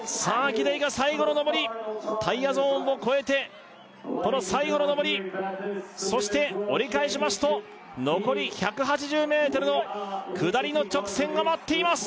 ギデイが最後の上りタイヤゾーンを越えてこの最後の上りそして折り返しますと残り１８０ｍの下りの直線が待っています